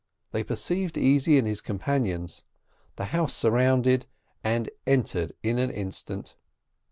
They perceived Easy and his companions; the house was surrounded and entered in an instant.